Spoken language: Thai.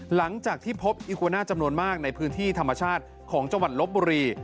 หลังจากที่พบอีกวาน่าจำนวนมากในพื้นที่ธรรมชาติของจังหวัดลบบุรี